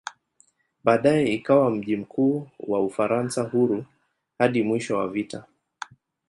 Baadaye ikawa mji mkuu wa "Ufaransa Huru" hadi mwisho wa vita.